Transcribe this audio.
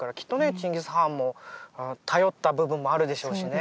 チンギス・ハーンも頼った部分もあるでしょうしね